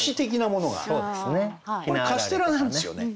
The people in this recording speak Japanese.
これカステラなんですよね。